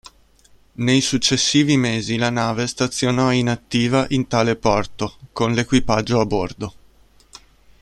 Nei successivi mesi la nave stazionò inattiva in tale porto, con l'equipaggio a bordo.